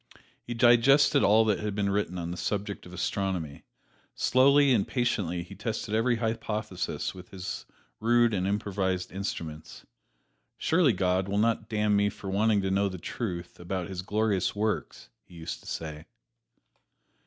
He digested all that had been written on the subject of astronomy; slowly and patiently he tested every hypothesis with his rude and improvised instruments. "Surely God will not damn me for wanting to know the truth about His glorious works," he used to say.